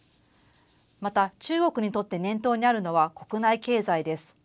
また、中国にとって念頭にあるのは国内経済です。